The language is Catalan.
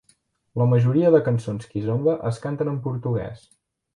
La majoria de cançons kizomba es canten en Portuguès.